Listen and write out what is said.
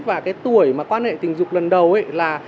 và cái tuổi mà quan hệ tình dục lần đầu là